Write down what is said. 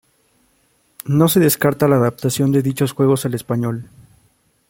No se descarta la adaptación de dichos juegos al español.